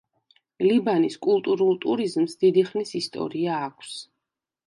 ლიბანის კულტურულ ტურიზმს დიდი ხნის ისტორია აქვს.